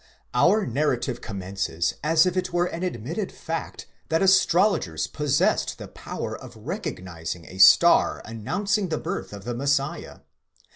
Our narrative commences as if it were an admitted fact, that astrologers possessed the power of recognizing a star announcing the birth of the Messiah.